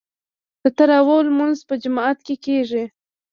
د تراويح لمونځ په جومات کې کیږي.